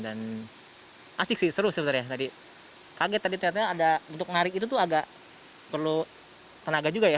dan asik sih seru sebenarnya tadi kaget tadi ternyata ada bentuk ngarik itu tuh agak perlu tenaga juga ya